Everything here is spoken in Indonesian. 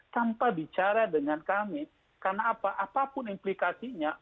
tanpa bicara dengan kami karena apa apapun implikasinya